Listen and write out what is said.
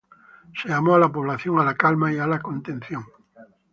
Se llamó a la población ""a la calma y la contención"".